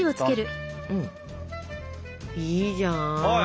いいじゃん。